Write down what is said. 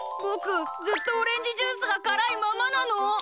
ぼくずっとオレンジジュースがからいままなの？